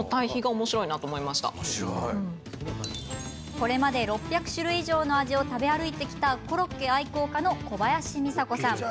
これまで６００種類以上の味を食べ歩いてきたコロッケ愛好家の小林美砂子さん。